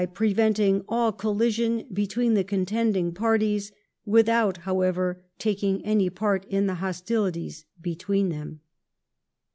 ^ preventing all collision between the contending parties ... with out, however, taking any part in the hostilities between them